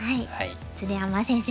鶴山先生